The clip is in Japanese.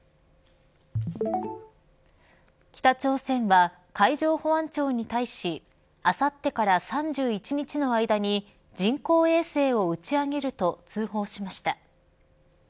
北朝鮮は海上保安庁に対しあさってから３１日の間に人工衛星を打ち上げると通報しました。